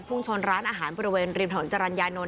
ชนร้านอาหารบริเวณริมถนนจรรยานนท